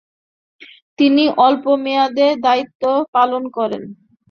তিনি স্বল্প মেয়াদে দায়িত্ব পালন করেন।